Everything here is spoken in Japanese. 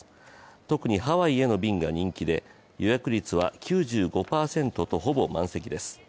特にハワイへの便が人気で予約率は９５％とほぼ満席です。